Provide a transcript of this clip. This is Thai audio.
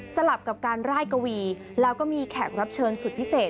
ลับกับการไล่กวีแล้วก็มีแขกรับเชิญสุดพิเศษ